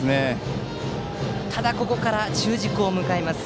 ただ、ここから中軸を迎えます。